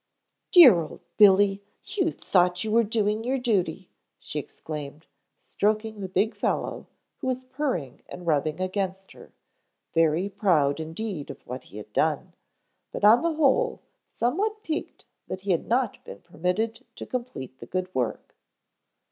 "Dear old Billy! You thought you were doing your duty," she exclaimed, stroking the big fellow, who was purring and rubbing against her, very proud indeed of what he had done, but on the whole somewhat piqued that he had not been permitted to complete the good work.